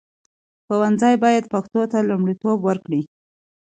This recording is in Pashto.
ښوونځي باید پښتو ته لومړیتوب ورکړي.